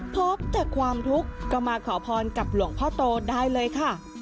พบแต่ความทุกข์ก็มาขอพรกับหลวงพ่อโตได้เลยค่ะ